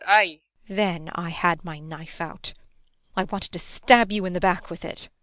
IRENE. [Continuing.] then I had my knife out. I wanted to stab you in the back with it.